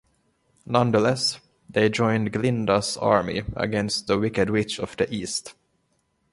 Nonetheless, they joined Glinda's army against the Wicked Witch of the East.